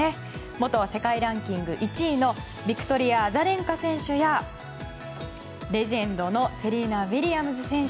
元世界ランキング１位のビクトリア・アザレンカ選手やレジェンドのセリーナ・ウィリアムズ選手。